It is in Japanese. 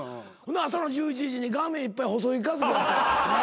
朝の１１時に画面いっぱい細木数子。